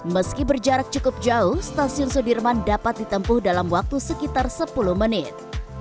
meski berjarak cukup jauh stasiun sudirman dapat ditempuh dalam waktu sekitar sepuluh menit